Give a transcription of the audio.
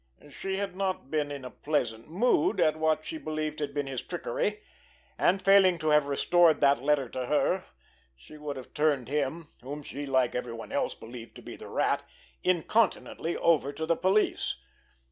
She had not been in a pleasant mood at what she believed had been his trickery; and, failing to have restored that letter to her, she would have turned him, whom she, like every one else, believed to be the Rat, incontinently over to the police.